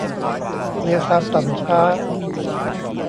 เลวทรามต่ำช้า